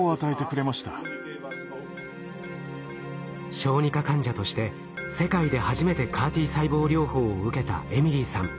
小児科患者として世界で初めてＣＡＲ−Ｔ細胞療法を受けたエミリーさん。